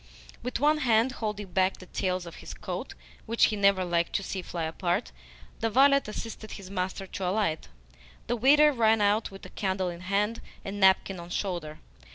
With one hand holding back the tails of his coat (which he never liked to see fly apart), the valet assisted his master to alight. The waiter ran out with candle in hand and napkin on shoulder.